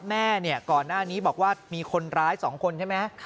แม่ก่อนหน้านี้บอกว่ามีคนร้าย๒คนใช่ไหม